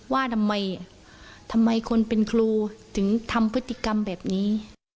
ว่าทำไมทำไมคนเป็นครูถึงทำพฤติกรรมแบบนี้